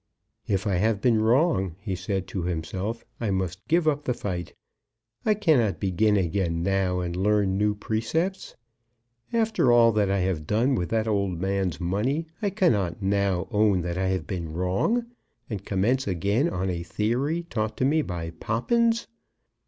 "If I have been wrong," he said to himself, "I must give up the fight. I cannot begin again now and learn new precepts. After all that I have done with that old man's money, I cannot now own that I have been wrong, and commence again on a theory taught to me by Poppins.